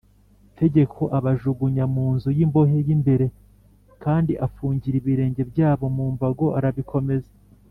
Tegeko abajugunya mu nzu y imbohe y imbere kandi afungira ibirenge byabo mu mbago arabikomeza